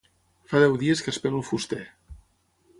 Fa deu dies que espero el fuster.